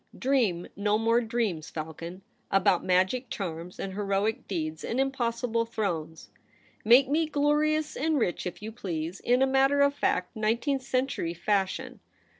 Dream no more dreams, Falcon, about ma^ic charms and heroic deeds and im possible thrones. Make me glorious and rich if you please, in a matter of fact nineteenth century fashion.